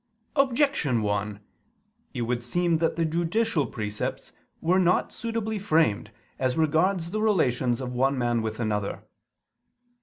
Objection 1: It would seem that the judicial precepts were not suitably framed as regards the relations of one man with another.